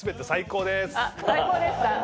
最高ですか？